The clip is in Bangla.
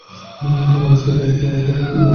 তোমাদের সবাইকে নিয়ে, আমরা অনেক গর্বিত।